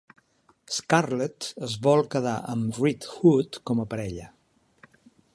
Scarlet es vol quedar amb Red Hood com a parella.